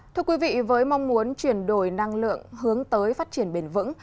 thưa quý vị với mong muốn chuyển đổi năng lượng hướng tới phát triển bền vững